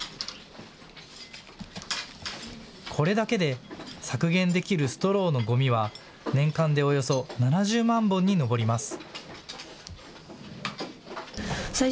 これだけで削減できるストローのごみは年間でおよそ７０万本に上ります。